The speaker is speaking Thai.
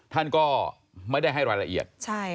ท่านก็ไม่ได้ให้รายละเอียด